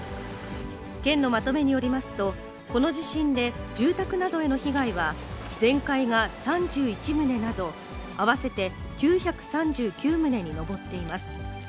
県のまとめによりますと、この地震で住宅などへの被害は、全壊が３１棟など、合わせて９３９棟に上っています。